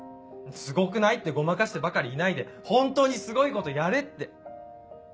「すごくない？」ってごまかしてばかりいないで本当にすごいことやれって。